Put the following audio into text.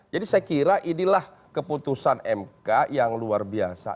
jadi saya kira inilah keputusan mk yang luar biasa